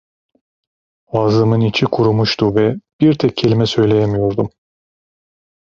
Ağzımın içi kurumuştu ve bir tek kelime söyleyemiyordum…